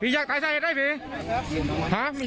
พี่อยากตายไส้เด็ดไฟนี่